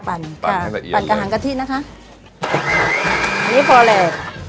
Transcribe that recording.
ปั่นให้สะเอียดเลยปั่นกะหางกะทินะคะอันนี้พอแหลกอ๋อ